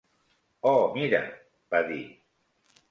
"Oh, mira," va dir.